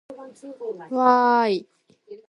He was educated at Winchester College.